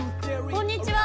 こんにちは。